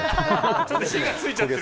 ちょっと火がついちゃってる。